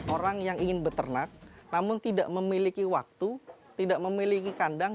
orang yang ingin beternak namun tidak memiliki waktu tidak memiliki kandang